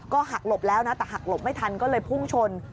หักหลบแล้วนะแต่หักหลบไม่ทันก็เลยพุ่งชน